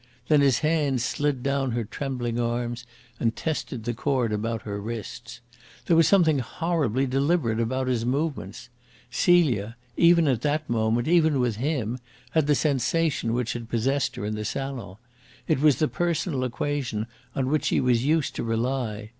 Then his hands slid down her trembling arms and tested the cord about her wrists. There was something horribly deliberate about his movements. Celia, even at that moment, even with him, had the sensation which had possessed her in the salon. It was the personal equation on which she was used to rely.